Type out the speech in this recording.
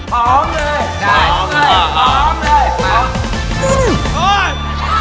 พร้อมเลยพร้อมเลยพร้อมเลย